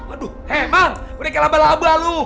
aduh hei bang udah kayak laba laba lu